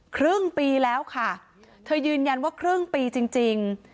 ครึ่งปีแล้วค่ะเธอยืนยันว่าครึ่งปีจริงจริง